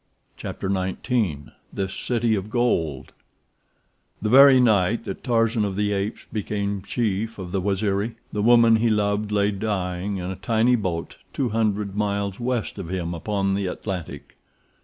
Chapter XIX The City of Gold The very night that Tarzan of the Apes became chief of the Waziri the woman he loved lay dying in a tiny boat two hundred miles west of him upon the Atlantic.